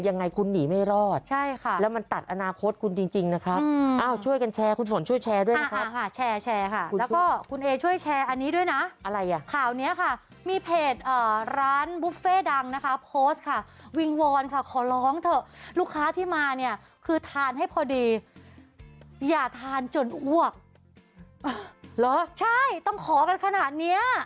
ยังไงคุณหนีไม่รอดใช่ค่ะแล้วมันตัดอนาคตคุณจริงจริงนะครับอ้าวช่วยกันแชร์คุณฝนช่วยแชร์ด้วยนะครับค่ะแชร์แชร์ค่ะแล้วก็คุณเอช่วยแชร์อันนี้ด้วยนะอะไรอ่ะข่าวเนี้ยค่ะมีเพจร้านบุฟเฟ่ดังนะคะโพสต์ค่ะวิงวอนค่ะขอร้องเถอะลูกค้าที่มาเนี่ยคือทานให้พอดีอย่าทานจนอ้วกเหรอใช่ต้องขอกันขนาดเนี้ย